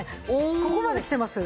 ここまできてます。